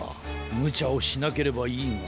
むちゃをしなければいいが。